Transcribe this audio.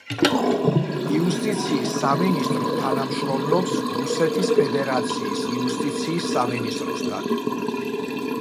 იუსტიციის სამინისტრო თანამშრომლობს რუსეთის ფედერაციის იუსტიციის სამინისტროსთან.